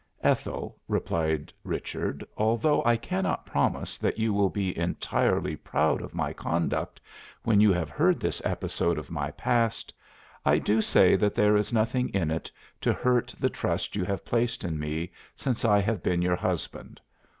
"Ethel," replied Richard, "although I cannot promise that you will be entirely proud of my conduct when you have heard this episode of my past, I do say that there is nothing in it to hurt the trust you have placed in me since I have been your husband.